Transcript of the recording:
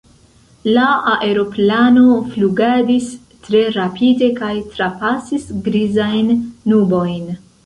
La aeroplano flugadis tre rapide kaj trapasis grizajn nubojn.